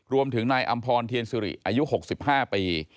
รวมถึงนายอำพรเทียนสิริอายุ๖๕ปี